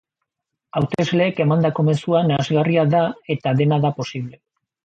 Hautesleek emandako mezua nahasgarria da eta dena da posible.